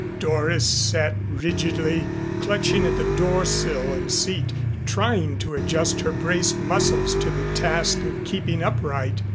Doris sat rigidly, clutching at the door sill and seat trying to adjust her braced muscles to the task of keeping upright.